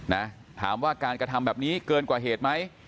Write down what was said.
นะถามว่าการกระทำแบบนี้เกินกว่าเหตุไหม